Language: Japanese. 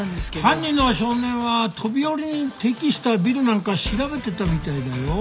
犯人の少年は飛び降りに適したビルなんか調べてたみたいだよ。